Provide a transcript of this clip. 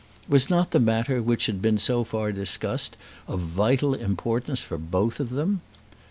Was not the matter which had been so far discussed of vital importance for both of them?